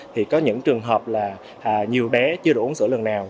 thì có những trường hợp là nhiều bé chưa đủ uống sữa lần nào